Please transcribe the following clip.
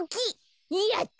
やった！